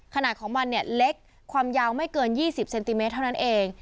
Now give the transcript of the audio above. ขนาดของมันเนี่ยเล็กความยาวไม่เกิน๒๐เซนติเมตรเท่านั้นเอง